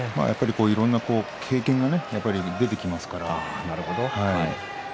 いろいろな経験が出てきますから。